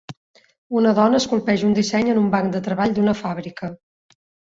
Una dona esculpeix un disseny en un banc de treball d'una fàbrica